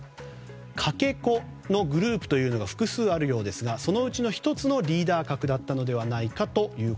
かけ子のグループというのが複数あるようですがそのうちの１つのリーダー格だったのではないかと。